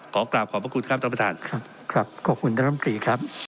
ขอกราบขอบพระคุณครับท่านประธานครับครับขอบคุณท่านรัฐมนตรีครับ